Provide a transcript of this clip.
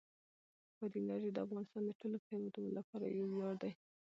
بادي انرژي د افغانستان د ټولو هیوادوالو لپاره یو ویاړ دی.